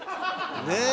ねえ？